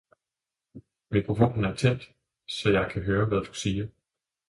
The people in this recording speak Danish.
mikrofonen er tændt så jeg kan høre hvad du siger